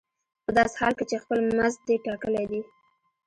په داسې حال کې چې خپل مزد دې ټاکلی دی